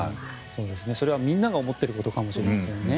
それはみんなが思ってることかもしれませんね。